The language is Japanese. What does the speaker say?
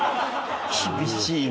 厳しいな。